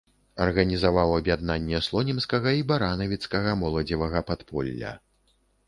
Арганізаваў аб'яднанне слонімскага і баранавіцкага моладзевага падполля.